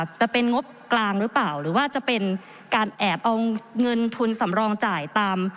จะเป็นงบกลางหรือเปล่าหรือว่าจะเป็นการแอบเอาเงินทุนสำรองจ่ายตาม